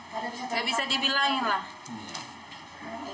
gak bisa dibilangin lah